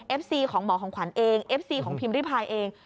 ซีของหมอของขวัญเองเอฟซีของพิมพ์ริพายเอง